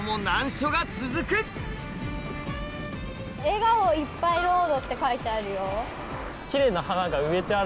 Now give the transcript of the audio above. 「笑顔いっぱいロード」って書いてあるよ？